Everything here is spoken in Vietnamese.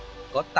theo số liệu của